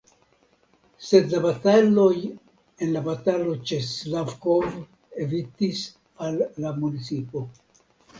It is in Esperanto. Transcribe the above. Sed la bataloj en la batalo ĉe Slavkov evitis al la municipo.